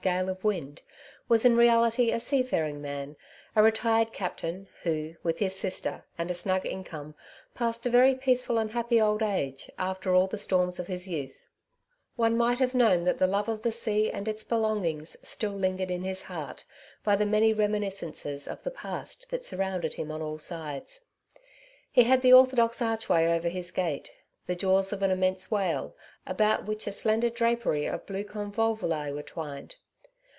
135 gale of wind^ was in reality a seafaring man, a re tired captain, who, with his sister and a snug income, passed a very peaceful and happy old age, after all the storms of his youtL One might have known that the love of the sea and its belongings still lingered in his heart, by the many reminiscences of the past that surrounded him on all sides. He had the orthodox archway over his gate — the jaws of an immense whale, about which a slender drapery of blue convolvuli were twined.